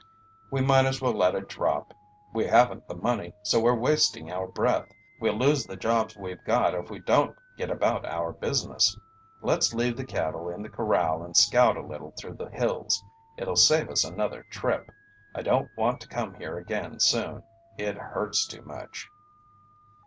"We might as well let it drop. We haven't the money, so we're wasting our breath. We'll lose the jobs we've got if we don't get about our business. Let's leave the cattle in the corral and scout a little through the hills it'll save us another trip. I don't want to come here again soon it hurts too much."